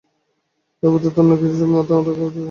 তাই আপাতত অন্য কোনো ছবি নিয়ে মাথা ঘামাতে চাইছেন না।